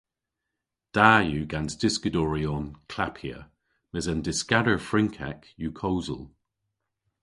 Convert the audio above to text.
Da yw gans dyskadoryon klappya mes an dyskador Frynkek yw kosel.